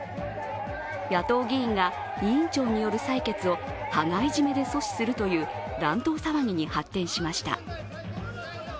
野党議員が委員長による採決を羽交い締めで阻止するという乱闘騒ぎに発展しました。